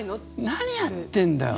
何やってんだよ。